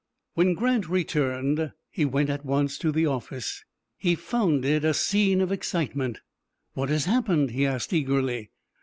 When Grant returned he went at once to the office. He found it a scene of excitement. "What has happened?" he asked, eagerly.